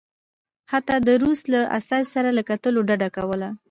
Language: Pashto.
حتی د روس له استازي سره له کتلو ډډه کوله.